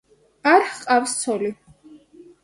არ ჰყავს ცოლი.